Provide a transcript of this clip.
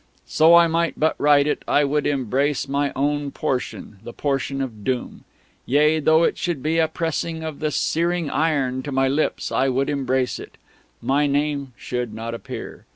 So I might but write it, I would embrace my own portion, the portion of doom; yea, though it should be a pressing of the searing iron to my lips, I would embrace it; my name should not appear.